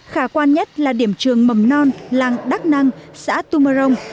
khả quan nhất là điểm trường mầm non làng đắc năng xã tumarong